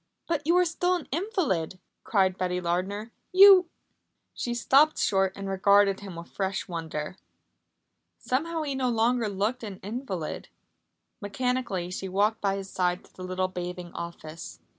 "But you are still an invalid," cried Betty Lardner. "You " She stopped short and regarded him with fresh wonder. Somehow he no longer looked an invalid. Mechanically she walked by his side to the little bathing office.